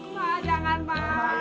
ma jangan ma